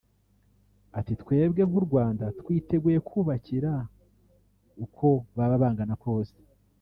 Ati “Twebwe nk’u Rwanda twiteguye kubakira uko baba bangana kose